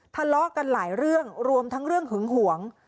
ทะเลาะกันหลายเรื่องรวมทั้งเรื่องหึงหวง